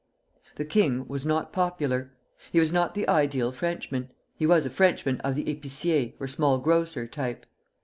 The king was not popular. He was not the ideal Frenchman. He was a Frenchman of the épicier, or small grocer, type.